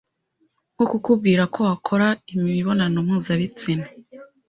nko kukubwira ko wakora imibonano mpuzabitsina